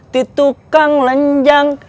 titu kang lenjang